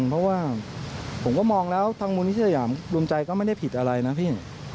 เพราะว่าผมก็มองแล้วทางมูลนิสยามรวมใจก็ไม่ได้ผิดอะไรนะพี่